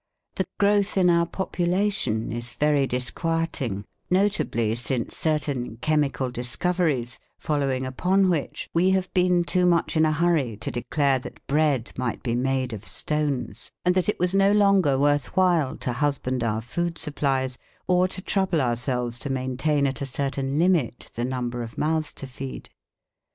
The growth in our population is very disquieting, notably since certain chemical discoveries, following upon which we have been too much in a hurry to declare that bread might be made of stones, and that it was no longer worth while to husband our food supplies or to trouble ourselves to maintain at a certain limit the number of mouths to feed.